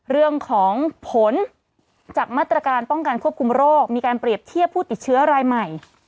เรื่องของผลจากมาตรการป้องกันควบคุมโรคมีการเปรียบเทียบผู้ติดเชื้อรายใหม่